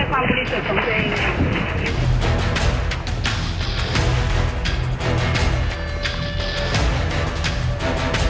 ขอให้ทุกสิ่งทุกอย่างจมตระจ่างในในวังด้วยเถอะครับ